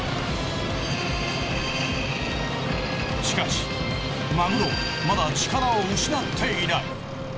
しかしマグロはまだ力を失っていない。